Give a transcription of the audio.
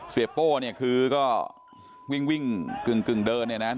เสียโป้เนี่ยคือก็วิ่งกึ่งเดินเนี่ยนะครับ